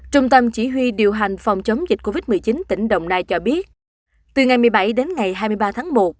trung tâm chỉ huy điều hành phòng chống dịch covid một mươi chín tỉnh đồng nai cho biết từ ngày một mươi bảy đến ngày hai mươi ba tháng một